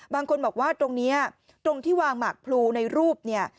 บางคนบอกว่าตรงนี้ตรงที่วางหมากพลูในรูปเนี่ย